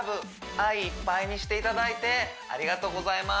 愛いっぱいにしていただいてありがとうございます